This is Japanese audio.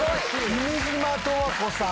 君島十和子さん